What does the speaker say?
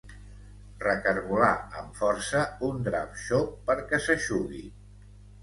Recargolar amb força un drap xop perquè s'eixugui.